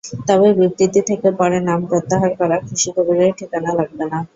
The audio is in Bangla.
তবে বিবৃতি থেকে পরে নাম প্রত্যাহার করা খুশী কবিরের ঠিকানা লাগবে না।